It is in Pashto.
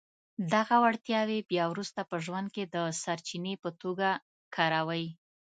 دغه وړتياوې بيا وروسته په ژوند کې د سرچینې په توګه کاروئ.